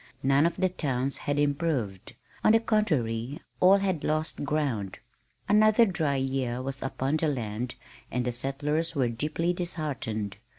None of the towns had improved. On the contrary, all had lost ground. Another dry year was upon the land and the settlers were deeply disheartened.